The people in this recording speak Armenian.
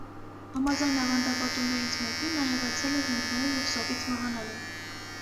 Համաձայն ավանդապատումներից մեկի՝ նա հեռացել է ջունգլիներ և սովից մահանալ է։